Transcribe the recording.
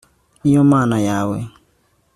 ni yo mana yawe